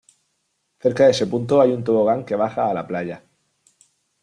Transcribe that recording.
Cerca de ese punto hay un tobogán que baja a la playa.